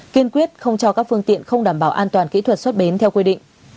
kiên quyết không cho các phương tiện không đảm bảo an toàn kỹ thuật xuất bến theo quy định